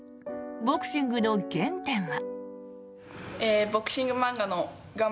ボクシングの原点は。